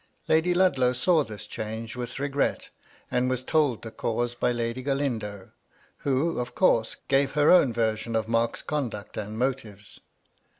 Lady Ludlow saw this change with regret, and was told the cause by Lady Galindo, who, of course, gave her own version of Mark's conduct and motives.